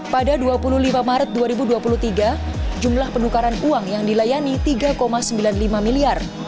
pada dua puluh lima maret dua ribu dua puluh tiga jumlah penukaran uang yang dilayani tiga sembilan puluh lima miliar